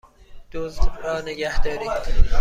دزد را نگهدارید!